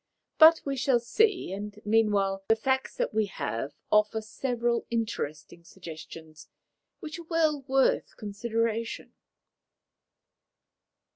But we shall see, and meanwhile the facts that we have offer several interesting suggestions which are well worth consideration."